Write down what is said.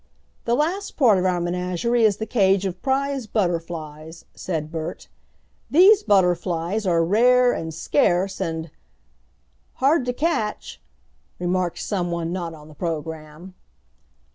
"The last part of our menagerie is the cage of prize butterflies," said Bert. "These butterflies are rare and scarce and " "Hard to catch!" remarked someone not on the programme.